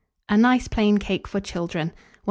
A NICE PLAIN CAKE FOR CHILDREN. 1767.